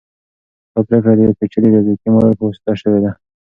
دا پریکړه د یو پیچلي ریاضیکي ماډل په واسطه شوې ده.